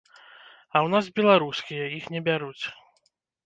А ў нас беларускія, іх не бяруць.